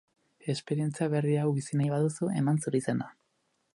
Esperientzia berri hau bizi nahi baduzu, eman zure izena!